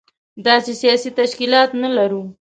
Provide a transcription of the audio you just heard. داسې سياسي تشکيلات نه لرو.